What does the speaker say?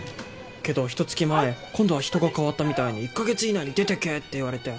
けどひとつき前今度は人が変わったみたいに１カ月以内に出てけって言われて。